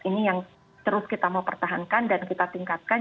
ini yang terus kita mau pertahankan dan kita tingkatkan